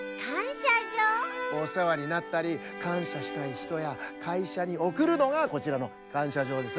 おせわになったりかんしゃしたいひとやかいしゃにおくるのがこちらのかんしゃじょうですね。